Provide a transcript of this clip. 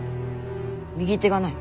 右手がない。